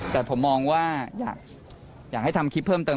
แต่ผมมองว่าอยากให้ทำคลิปเพิ่มเติม